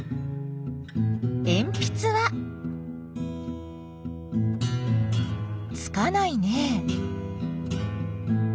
えんぴつはつかないね。